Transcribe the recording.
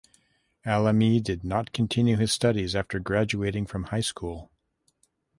Alami did not continue his studies after graduating from high school.